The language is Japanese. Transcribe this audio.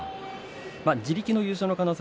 自力の優勝の可能性